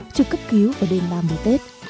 trực cấp cứu vào đêm ba mươi tết